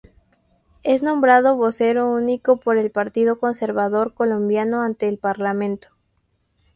Es nombrado vocero único por el Partido Conservador Colombiano ante el parlamento.